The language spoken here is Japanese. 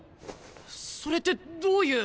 それってどういう。